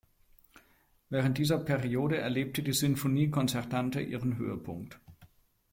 Während dieser Periode erlebte die Sinfonie concertante ihren Höhepunkt.